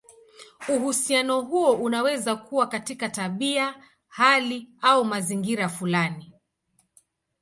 Uhusiano huo unaweza kuwa katika tabia, hali, au mazingira fulani.